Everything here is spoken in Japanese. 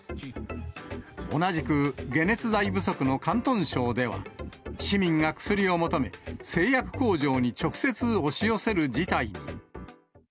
同じく、解熱剤不足の広東省では、市民が薬を求め、製薬工場に直接押し寄せる事態に。